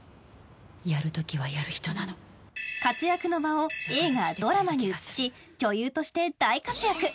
活躍の場を映画・ドラマに移し女優として大活躍！